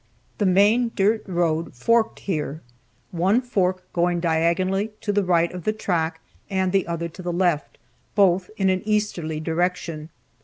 The main dirt road forked here, one fork going diagonally to the right of the track and the other to the left both in an easterly direction.